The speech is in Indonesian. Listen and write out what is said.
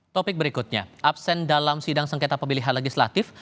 topik berikutnya absen dalam sidang sengketa pemilihan legislatif